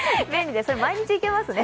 毎日いけますね。